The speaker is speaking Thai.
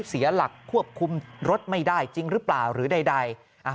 เสียหลักควบคุมรถไม่ได้จริงหรือเปล่าหรือใด